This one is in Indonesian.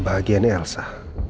itu bagiannya elsa